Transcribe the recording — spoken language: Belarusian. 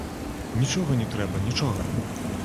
Нічога не трэба, нічога!